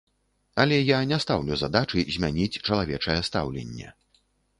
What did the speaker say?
Але я не стаўлю задачы змяніць чалавечае стаўленне.